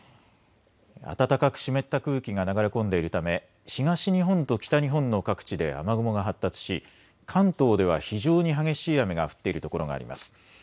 暖かく湿った空気が流れ込んでいるため東日本と北日本の各地で雨雲が発達し関東では非常に激しい雨が降っているところがあります。